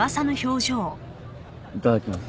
いただきます。